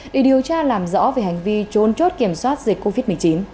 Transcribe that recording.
để điều tra làm rõ về hành vi trốn chốt kiểm soát dịch covid một mươi chín